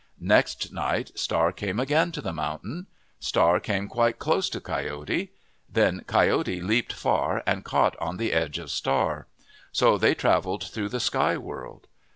Next night Star came again to the mountain. Star came quite close to Coyote. Then Coyote leaped far and caught on the edge of Star. So they travelled through the sky world.